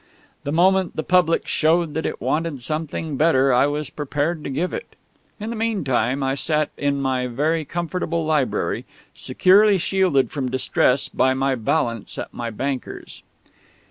The moment the public showed that it wanted something better I was prepared to give it. In the meantime, I sat in my very comfortable library, securely shielded from distress by my balance at my banker's.